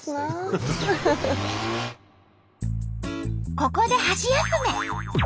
ここで箸休め。